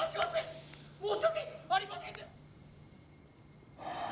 「申し訳ありません」。